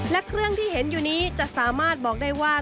และเครื่องที่เห็นอยู่นี้จะสามารถบอกได้ว่า